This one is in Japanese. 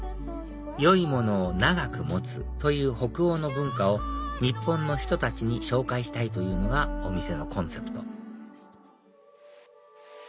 よいものを長く持つという北欧の文化を日本の人たちに紹介したいというのがお店のコンセプト